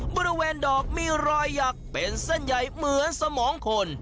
บริเวณดอกมีรอยหยักเป็นเส้นใหญ่เหมือนสมองคน